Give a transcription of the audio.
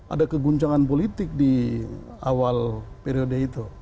ada keguncangan politik di awal periode itu